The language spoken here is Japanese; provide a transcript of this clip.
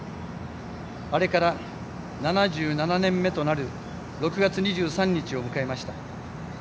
あれから７７年目となる６月２３日を迎えました。